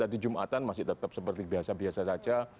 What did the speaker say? tadi jumatan masih tetap seperti biasa biasa saja